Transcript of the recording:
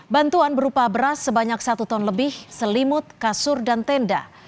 bantuan berupa beras sebanyak satu ton lebih selimut kasur dan tenda